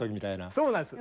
そうなんです。